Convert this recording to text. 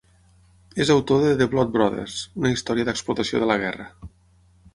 És autor de "The Blood Brothers", una història d'explotació de la guerra.